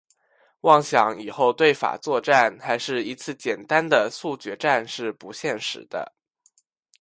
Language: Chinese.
妄想以后对法作战还是一次简单的速决战是不现实的。